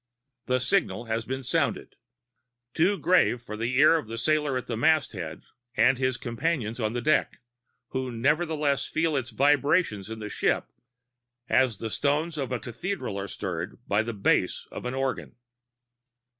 The signal has been sounded too grave for the ear of the sailor at the masthead and his comrades on the deck who nevertheless feel its vibrations in the ship as the stones of a cathedral are stirred by the bass of the organ.